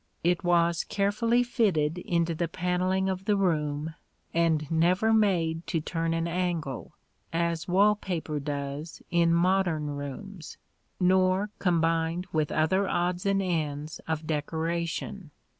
It was carefully fitted into the panelling of the room, and never made to turn an angle, as wall paper does in modern rooms, nor combined with other odds and ends of decoration.